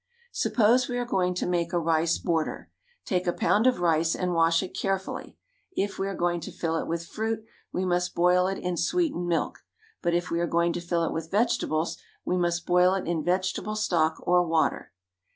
Suppose we are going to make a rice border. Take a pound of rice and wash it carefully if we are going to fill it with fruit we must boil it in sweetened milk, but if we are going to fill it with vegetables we must boil it in vegetable stock or water.